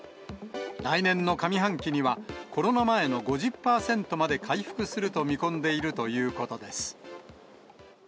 来年の上半期には、コロナ前の５０％まで回復すると見込んでいるということです。